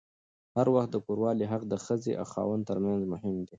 هر وخت د کوروالې حق د ښځې او خاوند ترمنځ مهم دی.